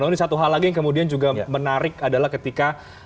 ini satu hal lagi yang menarik adalah ketika